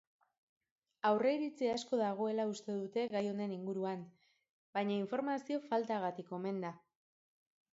Aurreiritzi asko dagoela uste dute gai honen inguruan baina informazio faltagatik omen da.